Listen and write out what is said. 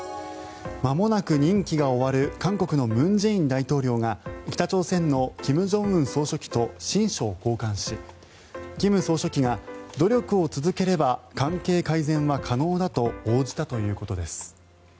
まもなく任期が終わる韓国の文在寅大統領が北朝鮮の金正恩総書記と親書を交換し金総書記が努力を続ければ関係改善は可能だと応じたということです。